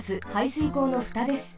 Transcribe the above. すいこうのふたです。